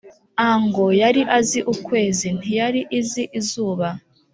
ango yari azi ukwezi ntiyari izi izuba